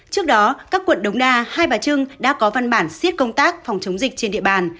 trước đó các quận đống đa hai bà trưng đã có văn bản xiết công tác phòng chống dịch trên địa bàn